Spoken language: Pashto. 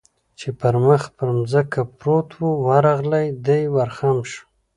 چې پر مخ پر ځمکه پروت و، ورغلی، دی ور خم شو.